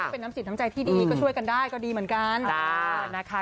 เป็นน้ำสิทธิ์ทั้งใจที่ดีก็ช่วยกันได้ก็ดีเหมือนกัน